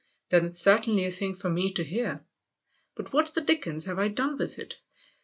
"Then it's certainly a thing for me to hear." " But what the dickens have I done with it ?